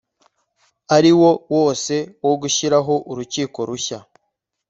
ari wo wose wo gushyiraho urukiko rushya